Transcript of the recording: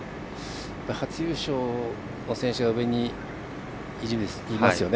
初優勝の選手が上にいますよね。